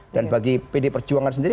dan bagi pd perjuangan sendiri